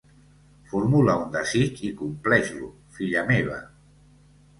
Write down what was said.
Formula un desig i compleix-lo, filla meva.